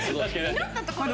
祈ったところで。